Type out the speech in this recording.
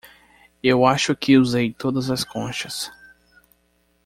Eu acho que usei todas as conchas.